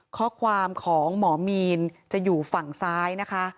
ข้อความของหมอมีนจะอยู่ฝั่งซ้ายนะคะ